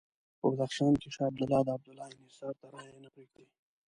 په بدخشان کې شاه عبدالله د عبدالله انحصار ته رایې نه پرېږدي.